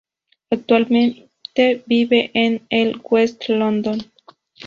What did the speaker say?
Actualmente vive en el West London.